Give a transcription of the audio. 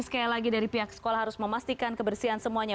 sekali lagi dari pihak sekolah harus memastikan kebersihan semuanya